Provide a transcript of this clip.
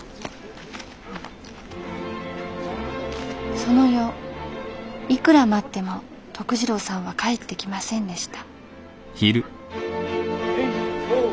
その夜いくら待っても徳次郎さんは帰ってきませんでした